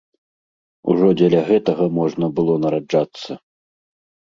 Ужо дзеля гэтага можна было нараджацца!